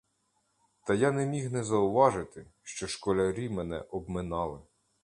Та я не міг не зауважити, що школярі мене обминали.